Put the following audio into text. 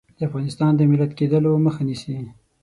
د افغانستان د ملت کېدلو مخه نیسي.